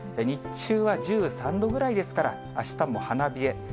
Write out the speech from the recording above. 日中は１３度ぐらいですから、あしたも花冷え。